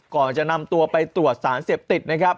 ก่อนจะนำตัวไปตรวจสารเสพติดนะครับ